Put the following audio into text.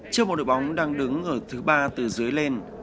trước một đội bóng đang đứng ở thứ ba từ dưới lên